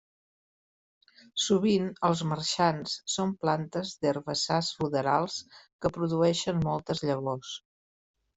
Sovint els marxants són plantes d'herbassars ruderals que produeixen moltes llavors.